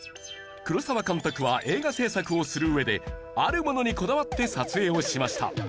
黒沢監督は映画製作をする上であるものにこだわって撮影をしました。